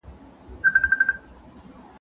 په ځینو قضیو کې نښې نښانې کوچنۍ وې.